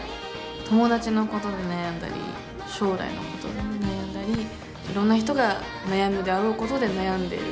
友達のことで悩んだり将来のことで悩んだりいろんな人が悩むであろうことで悩んでいる。